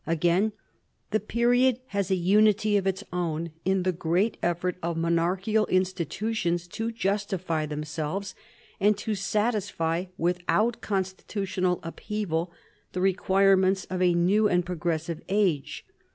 Again the period has a unity of its own, in the great effort of monarchical institutions to justify themselves and to satisfy without constitutional upheaval the requirements of a new and progressive age.